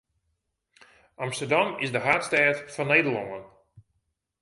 Amsterdam is de haadstêd fan Nederlân.